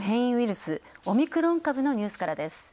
スオミクロン株のニュースからです。